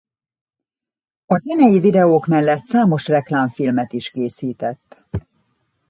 A zenei videók mellett számos reklámfilmet is készített.